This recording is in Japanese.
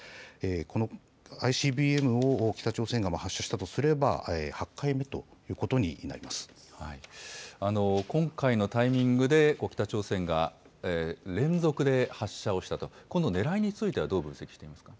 このＩＣＢＭを北朝鮮が発射したとすれば、８回目ということにな今回のタイミングで北朝鮮が連続で発射をしたと、このねらいについてはどう分析していますか。